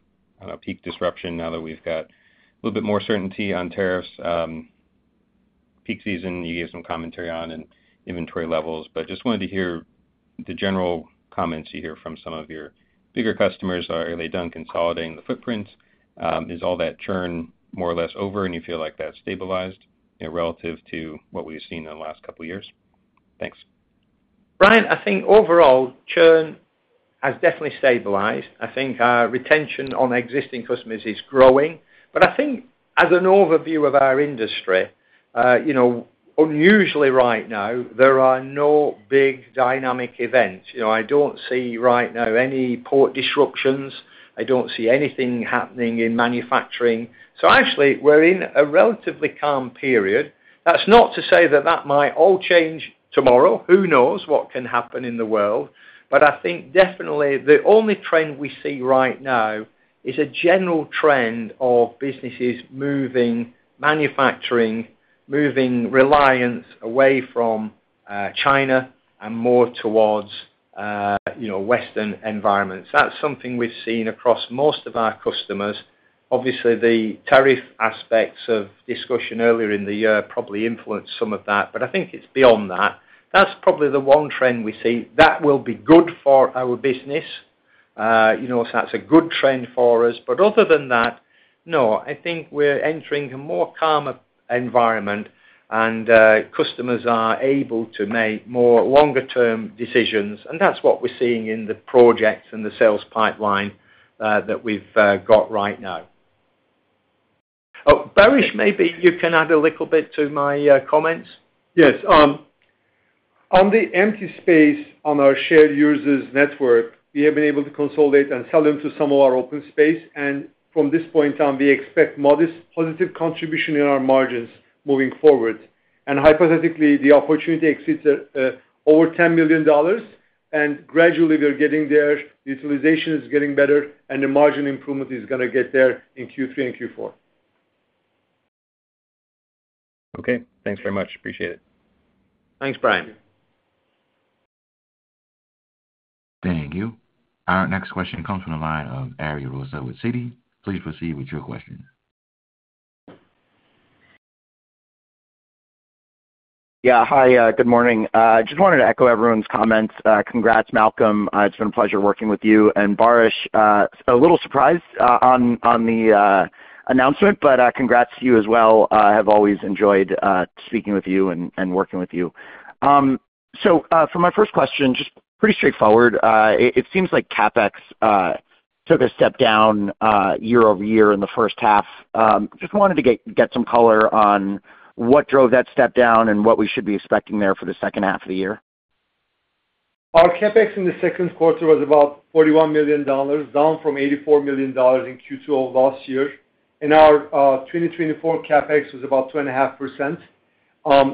peak disruption now that we've got a little bit more certainty on tariffs, peak season? You gave some commentary on inventory levels, but just wanted to hear the general comments you hear from some of your bigger customers. Are they done consolidating the footprint? Is all that churn more or less over, and you feel like that's stabilized relative to what we've seen in the last couple years? Thanks. Brian. I think overall churn has definitely stabilized. I think our retention on existing customers is growing, but I think as an overview of our industry, unusually right now there are no big dynamic events. I don't see right now any port disruptions. I don't see anything happening in manufacturing. Actually, we're in a relatively calm period. That's not to say that that might all change tomorrow. Who knows what can happen in the world. I think definitely the only trend we see right now is a general trend of businesses moving manufacturing, moving reliance away from China and more towards Western environments. That's something we've seen across most of our customers. Obviously, the tariff aspects of discussion earlier in the year probably influenced some of that, but I think it's beyond that. That's probably the one trend we see that will be good for our business. That's a good trend for us. Other than that, I think we're entering a more calmer environment and customers are able to make more longer term decisions and that's what we're seeing in the projects and the sales pipeline that we've got right now. Baris, maybe you can add a little bit to my comments. Yes. On the empty space on our shared users network, we have been able to consolidate and sell them to some of our open space. From this point on, we expect modest positive contribution in our margins moving forward. Hypothetically, the opportunity exceeds over $10 million. Gradually, we are getting there, utilization is getting better, and the margin improvement is going to get there in Q3 and Q4. Okay, thanks very much. Appreciate it. Thanks, Brian. Thank you. Our next question comes from the line of Ari Rosa with Citi. Please proceed with your question. Yeah, hi, good morning. Just wanted to echo everyone's comments. Congrats, Malcolm, it's been a pleasure working with you. Baris, a little surprised on the announcement, but congrats to you as well. Have always enjoyed speaking with you and. Working with you. For my first question, just pretty straightforward. It seems like CapEx took a step down year over year in the first half. Just wanted to get some color on what drove that step down and what. We should be expecting there for the second half of the year. Our CapEx in the second quarter was about $41 million, down from $84 million in Q2 of last year. Our 2024 CapEx was about 2.5%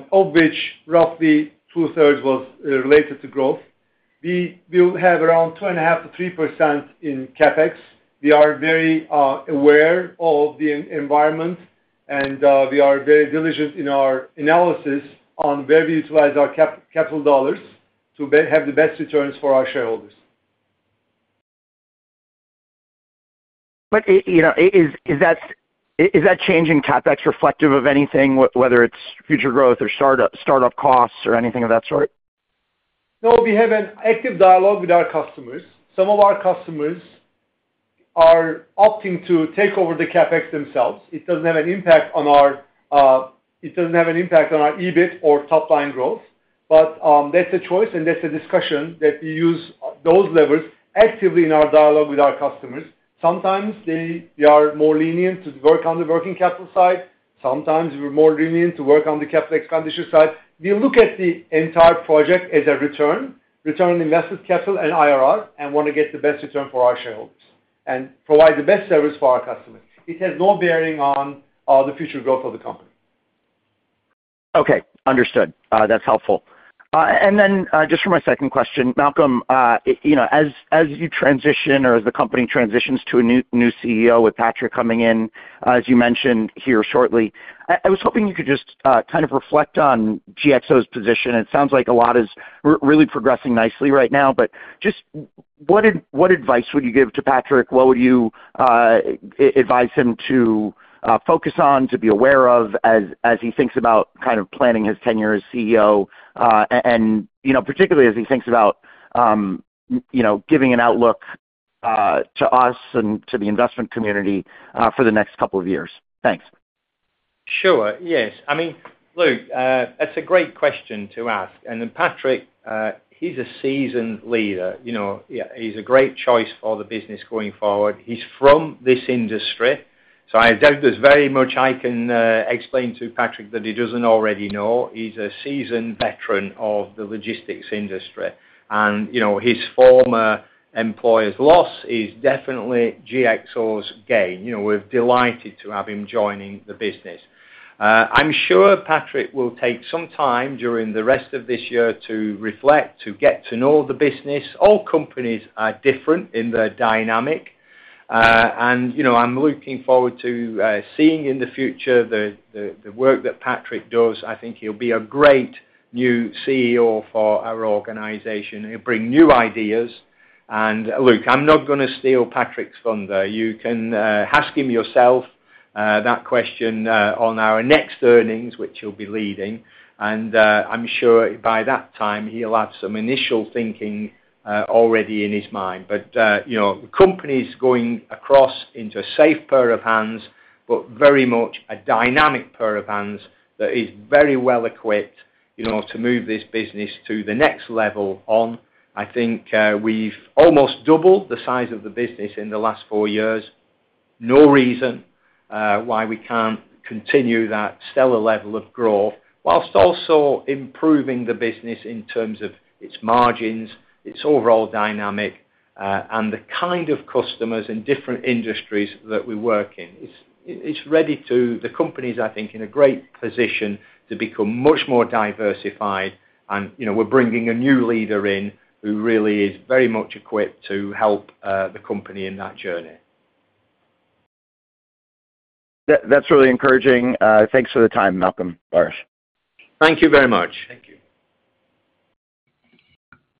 of which roughly two thirds was related to growth. We have around 2.5%-3% in CapEx. We are very aware of the environment, and we are very diligent in our analysis on where we utilize our capital dollars to have the best returns for our shareholders. Is that changing CapEx reflective of anything, whether it's future growth or startup costs or anything of that sort? No. We have an active dialogue with our customers. Some of our customers are opting to take over the CapEx themselves. It doesn't have an impact on our EBIT or top line growth, but that's a choice and that's the discussion that we use those levers actively in our dialogue with our customers. Sometimes they are more lenient to work on the working capital side. Sometimes we're more lenient to work on the capital expenditure side. We look at the entire project as a return, return on invested capital and IRR, and want to get the best return for our shareholders and provide the best service for our customer. It has no bearing on the future growth of the company. Okay, understood that's helpful. For my second question, Malcolm, as you transition or as the company transitions to a new CEO with Pat in, as you mentioned here shortly, I was hoping you could just kind of reflect on GXO position. It sounds like a lot is really progressing nicely right now. Just what. What advice would you give to Patrick? What would you advise him to focus on, to be aware of as he thinks about kind of planning his tenure as CEO, and particularly as he thinks about giving an outlook to us and to the investment community for the next couple of years. Thanks. Sure. Yes. I mean, look, that's a great question to ask. Patrick, he's a seasoned leader. He's a great choice for the business going forward. He's from this industry, so I doubt there's very much I can explain to Patrick that he doesn't already know. He's a seasoned veteran of the logistics industry, and his former employer's loss is definitely GXO's gain. We're delighted to have him joining the business. I'm sure Patrick will take some time during the rest of this year to reflect, to get to know the business. All companies are different in their dynamic, and I'm looking forward to seeing in the future the work that Patrick does. I think he'll be a great new CEO for our organization. He'll bring new ideas and look, I'm not going to steal Patrick's thunder. You can ask him yourself that question on our next earnings, which he'll be leading. I'm sure by that time he'll have some initial thinking already in his mind. The company's going across into a safe pair of hands, but very much a dynamic pair of hands that is very well equipped to move this business to the next level. I think we've almost doubled the size of the business in the last four years. No reason why we can't continue that stellar level of growth whilst also improving the business in terms of its margins, its overall dynamic, and the kind of customers in different industries that we work in. The company is, I think, in a great position to become much more diversified. We're bringing a new leader in who really is very much equipped to help the company in that journey. That's really encouraging. Thanks for the time, Malcolm Baris, Thank you very much. Thank you.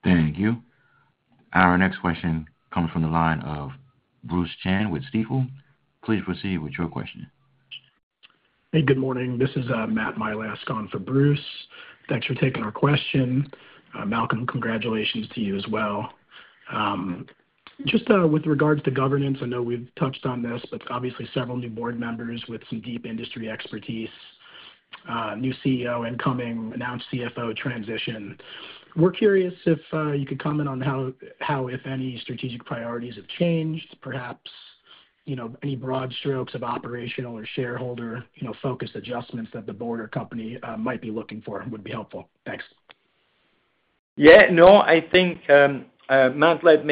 Thank you. Our next question coming from the line of Bruce Chan with Stifel. Please proceed with your question. Hey, good morning. This is Matt Milask on for Bruce Chan, thanks for taking our question. Malcolm, congratulations to you as well. With regards to governance, I know we've touched on this, but obviously several new board members with some deep industry expertise, new CEO incoming, announced CFO transition. We're curious if you could comment on. How, if any, strategic priorities have changed. Perhaps, you know, any broad strokes of operational or shareholder focus adjustments that the. Board or company might be looking for would be helpful. Thanks. Yeah, no, I think, Matt, let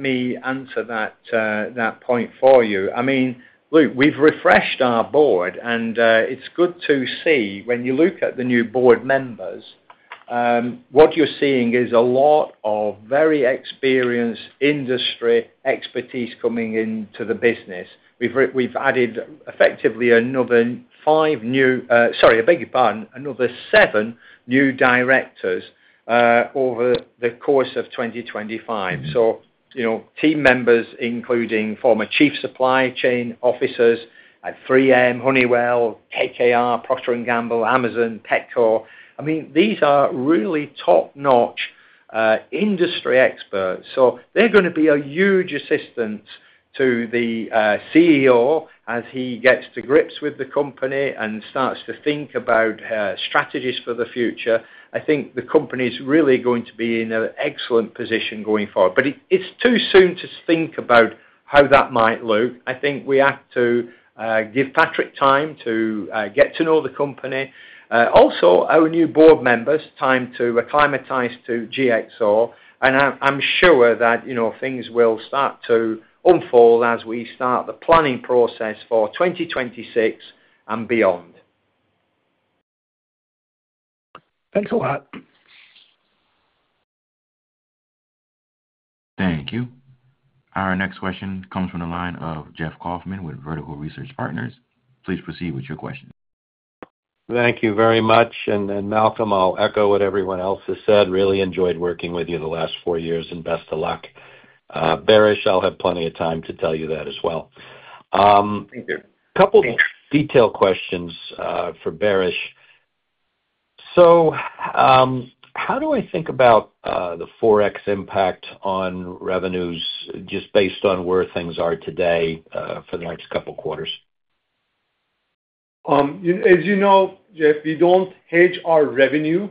me answer that point for you. I mean, look, we've refreshed our board and it's good to see when you look at the new board members, what you're seeing is a lot of very experienced industry expertise coming into the business. We've added effectively another five new, sorry, I beg your pardon, another seven new directors over the course of 2025. You know, team members, including former Chief Supply Chain Officers at 3M, Honeywell, KKR, Procter and Gamble, Amazon, Petcor, I mean, these are really top notch industry experts. They're going to be a huge assistance to the CEO as he gets to grips with the company and starts to think about strategies for the future. I think the company is really going to be in an excellent position going forward, but it's too soon to think about how that might look. I think we have to give Patrick time to get to know the company, also our new board members time to acclimatize to GXO. I'm sure that things will start to unfold as we start the planning process for 2026 and beyond. Thanks a lot. Thank you. Our next question comes from the line of Jeff Kauffman with Vertical Research Partners. Please proceed with your question. Thank you very much. Malcolm, I'll echo what everyone else has said. Really enjoyed working with you the last. Four years and best of luck, Baris. I'll have plenty of time to tell you that as well. Couple detail questions for Baris. How do I think about the Forex impact on revenues just based on. Where things are today for the next couple quarters? As you know, Jeff, we don't hedge our revenue.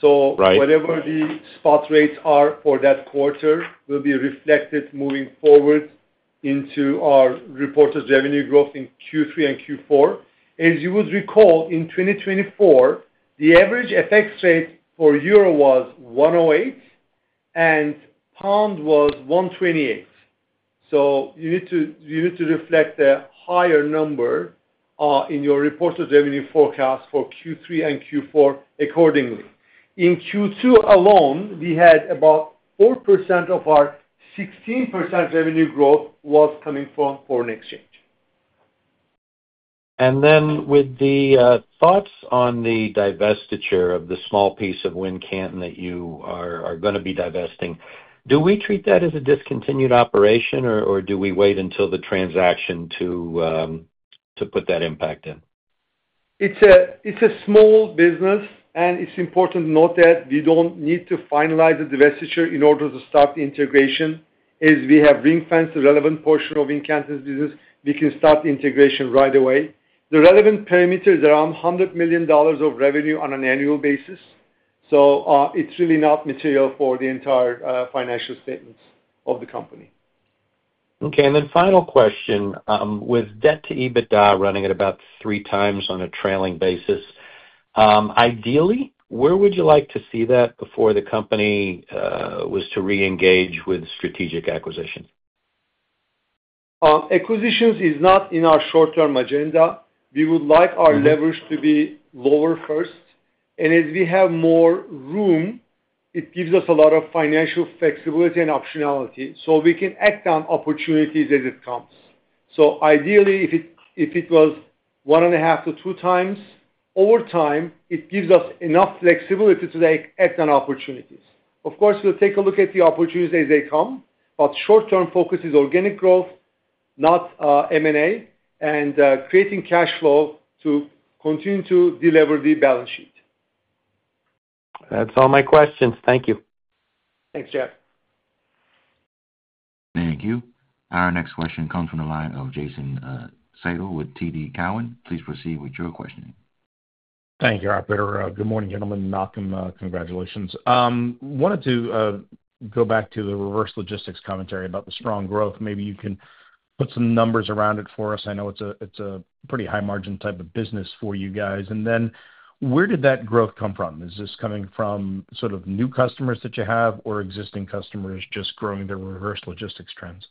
Whatever the spot rates are for that quarter will be reflected moving forward into our reported revenue growth in Q3 and Q4. As you would recall, in 2024 the average FX rate for Euro was 108 and Pound was 128. You need to reflect a higher number in your reported revenue forecast for Q3 and Q4 accordingly. In Q2 alone, about 4% of our 16% revenue growth was coming from foreign exchange. What are your thoughts on the divestiture of the small piece of Wincanton? Wincanton that you are going to be. Divesting, do we treat that as a. Discontinued operation or do we wait until the transaction to put that impact in? It's a small business, and it's important to note that we don't need to finalize the divestiture in order to stop the integration, as we have ring-fenced the relevant portion of Wincanton's business. We can start integration right away. The relevant parameter is around $100 million of revenue on an annual basis. It's really not material for the entire financial statements of the company. Okay, and then final question. With debt to EBITDA running at about 3x on a trailing basis, ideally where would you like to see that? Before the company was to re-engage. With strategic acquisition. Acquisitions is not in our short term agenda. We would like our leverage to be lower first, and as we have more room, it gives us a lot of financial flexibility and optionality so we can act on opportunities as it comes. Ideally, if it was 1.5x-2x over time, it gives us enough flexibility to take at an opportunity. Of course, we'll take a look at the opportunities as they come, but short term focus is organic growth, not M&A, and creating cash flow to continue to deliver the balance sheet. That's all my questions. Thank you. Thanks Jeff. Thank you. Our next question comes from the line of Jason Seidl with TD Cowen. Please proceed with your question. Thank you, operator. Good morning, gentlemen. Malcom congratulations. Wanted to go back to the reverse logistics commentary about the strong growth. Maybe you can put some numbers around it for us. I know it's a pretty high margin type of business for you guys, and then where did that growth come from? Is this coming from sort of new customers that you have or existing customers just growing their reverse logistics trends?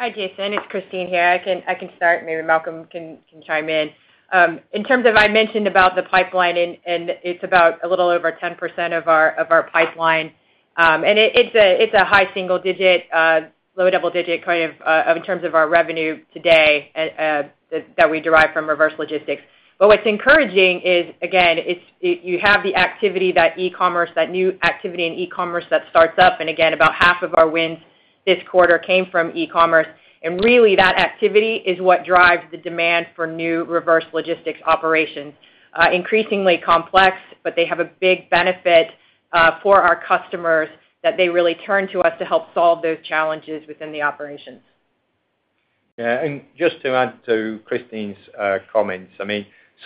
Hi Jason, it's Kristine here. I can start, maybe Malcolm can chime in. I mentioned about the pipeline and it's about a little over 10% of our pipeline, and it's a high single-digit, low double-digit kind of in terms of our revenue today that we derive from reverse logistics. What's encouraging is, again, you have the activity in e-commerce, that new activity in e-commerce that starts up, and about half of our wins this quarter came from e-commerce. That activity is what drives the demand for new reverse logistics operations, increasingly complex, but they have a big benefit for our customers that they really turn to us to help solve those challenges within the operations. Just to add to Kristine's comments,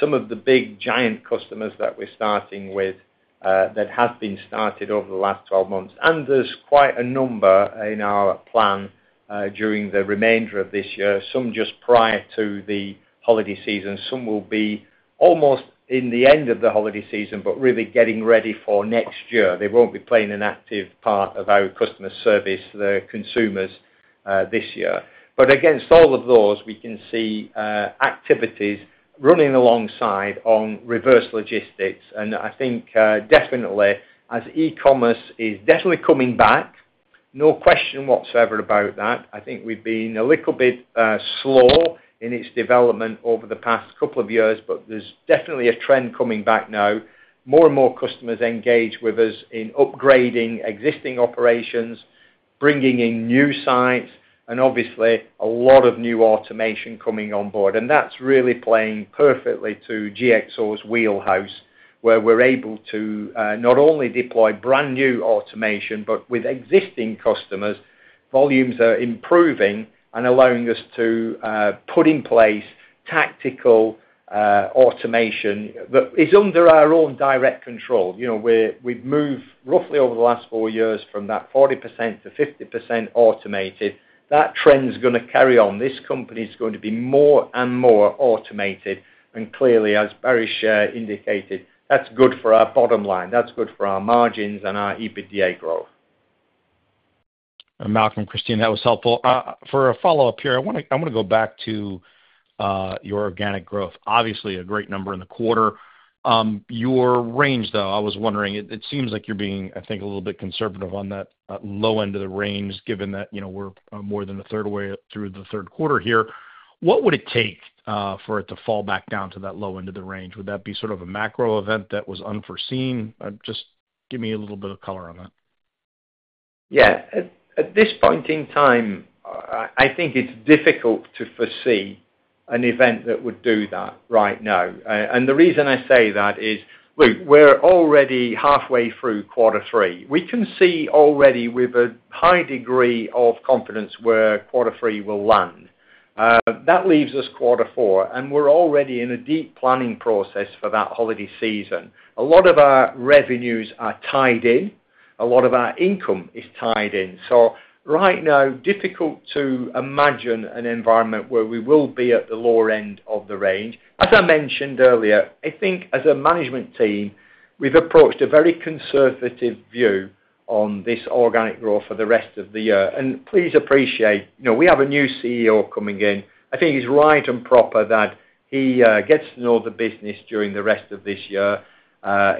some of the big giant customers that we're starting with have been started over the last 12 months and there's quite a number in our plan during the remainder of this year. Some just prior to the holiday season, some will be almost in the end of the holiday season, but really getting ready for next year. They won't be playing an active part of our customer service, their consumers this year. Against all of those, we can see activities running alongside on reverse logistics. I think definitely as e-commerce is definitely coming back, no question whatsoever about that. I think we've been a little bit slow in its development over the past couple of years, but there's definitely a trend coming back now. More and more customers engage with us in upgrading existing operations, bringing in new sites and obviously a lot of new automation coming on board. That's really playing perfectly to GXO's wheelhouse where we're able to not only deploy brand new automation, but with existing customers, volumes are improving and allowing us to put in place tactical automation that is under our own direct control. We've moved roughly over the last four years from that 40%-50% automated. That trend is going to carry on. This company is going to be more and more automated and clearly, as Baris indicated, that's good for our bottom line, that's good for our margins and our adjusted EBITDA growth. Malcolm, Kristine, that was helpful for a follow up here. I want to go back to your organic growth. Obviously a great number in the quarter. Your range though, I was wondering, it seems like you're being, I think a little bit conservative on that low end of the range. Given that we're more than a third away through the third quarter here, what would it take for it to fall back down to that low end of the range? Would that be sort of a macro event that was unforeseen? Just give me a little bit of color on that. Yeah. At this point in time, I think it's difficult to foresee an event that would do that right now. The reason I say that is we're already halfway through quarter three. We can see already with a high degree of confidence where quarter three will land. That leaves us quarter four, and we're already in a deep planning process for that holiday season. A lot of our revenues are tied in. A lot of our income is tied in. Right now, it's difficult to imagine an environment where we will be at the lower end of the range. As I mentioned earlier, I think as a management team, we've approached a very conservative view on this organic growth for the rest of the year. Please appreciate we have a new CEO coming in. I think it's right and proper that he gets to know the business during the rest of this year.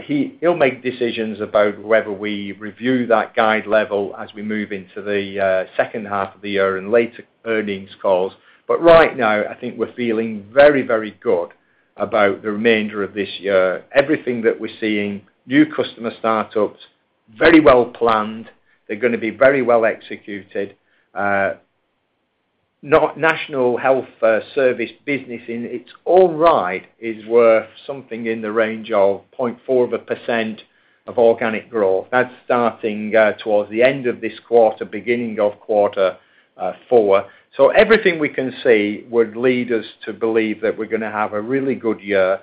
He'll make decisions about whether we review that guide level as we move into the second half of the year and later earnings calls. Right now, I think we're feeling very, very good about the remainder of this year. Everything that we're seeing, new customer startups, very well planned, they're going to be very well executed. National Health Service Supply Chain business in its own right is worth something in the range of 0.4% of organic growth that's starting towards the end of this quarter, beginning of quarter four. Everything we can see would lead us to believe that we're going to have a really good year.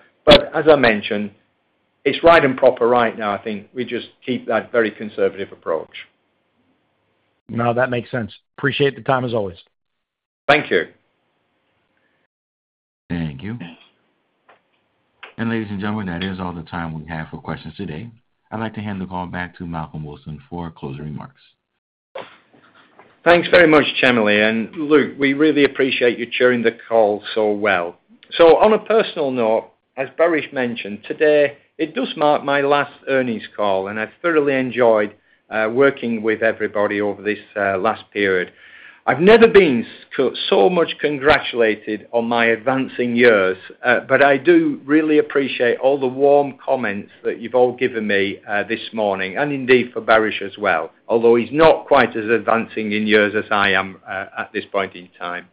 As I mentioned, it's right and proper right now. I think we just keep that very conservative approach. Now that makes sense. Appreciate the time as always. Thank you. Thank you. Ladies and gentlemen, that is all the time we have for questions today. I'd like to hand the call back to Malcolm Wilson for closing remarks. Thanks very much, Chamberlain and Luke. We really appreciate you joining the call. On a personal note, as Baris mentioned today, it does mark my last earnings call and I've thoroughly enjoyed working with everybody over this last period. I've never been so much congratulated on my advancing years, but I do really appreciate all the warm comments that you've all given me this morning, and indeed for Baris as well, although he's not quite as advancing in years as I am at this point in time.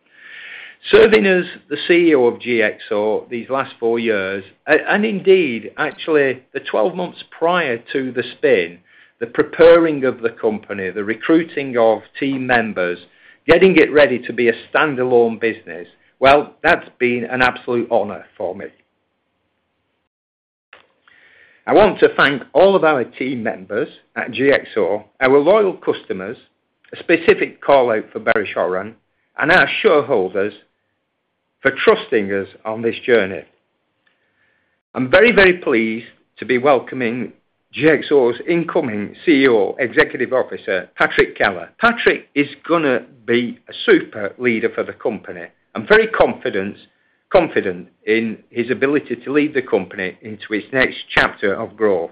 Serving as the CEO of GXO Logistics these last four years, and indeed, actually the 12 months prior to the spin, the preparing of the company, the recruiting of team members, getting it ready to be a standalone business, that's been an absolute honor for me. I want to thank all of our team members at GXO, our loyal customers, a specific call out for Baris Oran, and our shareholders for trusting us on this journey. I'm very, very pleased to be welcoming GXO's incoming CEO, Patrick Kelleher. Patrick is going to be a super leader for the company. I'm very confident in his ability to lead the company into its next chapter of growth.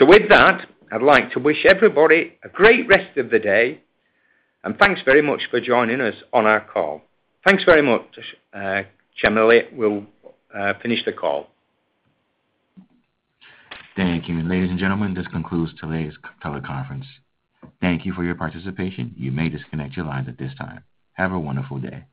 With that, I'd like to wish everybody a great rest of the day, and thanks very much for joining us on our call. Thanks very much, Chamberlain. We'll finish the call. Thank you. Ladies and gentlemen, this concludes today's teleconference. Thank you for your participation. You may disconnect your lines at this time. Have a wonderful day.